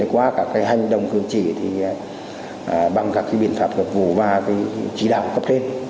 qua cả cái hành động cưỡng chỉ thì bằng các cái biện pháp vụ và cái chỉ đạo cấp thêm